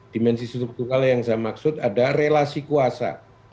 dimensi struktural yang saya maksud adalah relasi kuasa